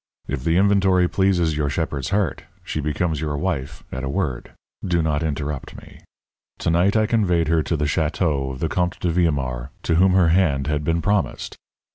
If the inventory pleases your shepherd's heart, she becomes your wife at a word. Do not interrupt me. To night I conveyed her to the château of the Comte de Villemaur, to whom her hand had been promised.